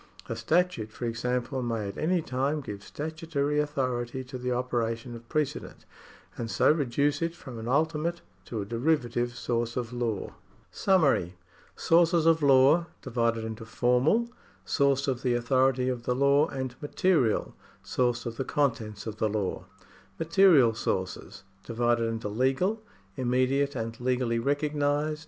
A statute for example may at any time give statutory authority to the operation of precedent,^ and so reduce it from an ultimate to a derivative source of law.^ SUMMARY. p , JFormal — source of the authority of the law. \Material — source of the contents of the law. J Legal — immediate and legally recognised.